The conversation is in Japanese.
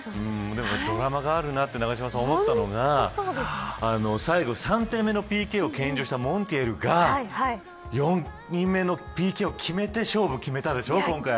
ドラマがあるなって永島さん、思ったのが最後、３点目のＰＫを献上したモンティエルが４人目のＰＫを決めて勝負を決めたでしょう、今回。